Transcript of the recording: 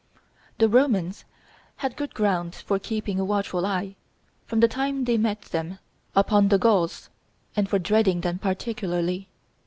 The Romans had good ground for keeping a watchful eye, from the time they met them, upon the Gauls, and for dreading them particularly.